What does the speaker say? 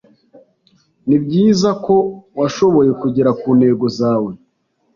Nibyiza ko washoboye kugera kuntego zawe.